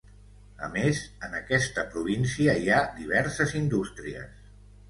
A més, en aquesta província hi ha diverses indústries.